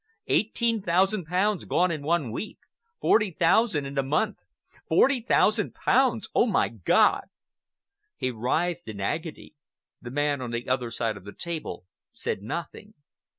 Eighteen thousand pounds gone in one week, forty thousand in a month! Forty thousand pounds! Oh, my God!" He writhed in agony. The man on the other side of the table said nothing.